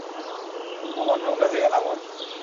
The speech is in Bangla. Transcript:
আমার নৌকা থেকে নামুন!